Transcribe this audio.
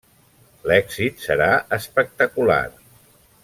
L'èxit serà espectacular.